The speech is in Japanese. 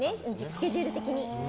スケジュール的に。